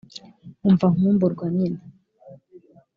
umva nkumburwa nyine